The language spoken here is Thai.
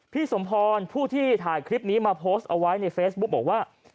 พี่สมพรผู้ที่ถ่ายคลิปนี้มาโพสต์เอาไว้ในเฟซบุ๊กบอกว่า